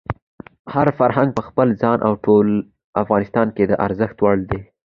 هر فرهنګ په خپل ځای او ټول افغانستان کې د ارزښت وړ دی.